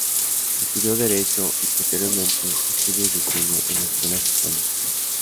Estudió derecho y posteriormente estudios de cine en la Escuela Oficial de Cine.